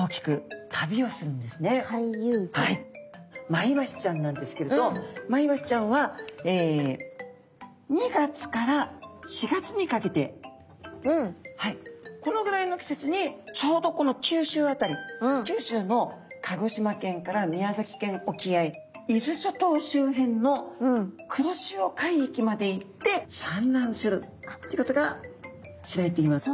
マイワシちゃんなんですけれどマイワシちゃんは２月から４月にかけてこのぐらいの季節にちょうどこの九州辺り九州の鹿児島県から宮崎県沖合伊豆諸島周辺の黒潮海域まで行って産卵するっていうことが知られています。